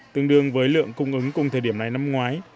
tương đương với lượng cung ứng cùng thời điểm này năm ngoái